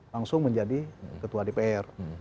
langsung menjadi ketua dpr